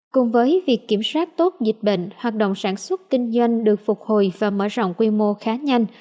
cùng với việc kiểm soát tốt dịch bệnh hoạt động sản xuất kinh doanh được phục hồi và mở rộng quy mô khá nhanh